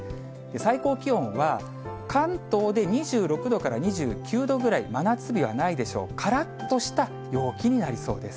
最高気温は、関東で２６度から２９度ぐらい、真夏日はないでしょう、からっとした陽気になりそうです。